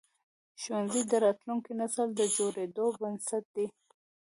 ښوونځي د راتلونکي نسل د جوړېدو بنسټ دي.